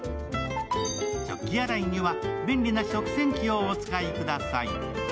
食器洗いには便利な食洗機をお使いください。